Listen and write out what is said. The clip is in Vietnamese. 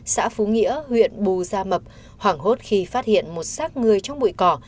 xã phú nghĩa huyện bù gia mập hoảng hốt khi phát hiện một sát người trong bụi cỏ